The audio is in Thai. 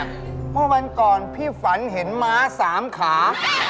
เพราะวันก่อนพี่ฝันเห็นม้าสามขา